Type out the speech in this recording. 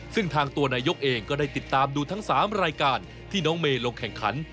ซึ่งทางตัวนายกเองก็ได้ติดตามดูทั้ง๓รายการที่น้องเมย์ลงแข่งขัน